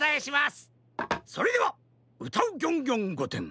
それでは「うたうギョンギョンごてん」